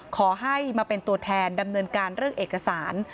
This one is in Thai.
ขอให้มาเป็นตัวแทนดำเนินการเรื่องเอกสาร